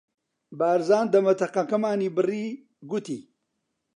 بارزان دەمەتەقەکەمانی بڕی، گوتی: